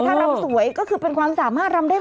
ถ้ารำสวยก็คือเป็นความสามารถรำได้หมด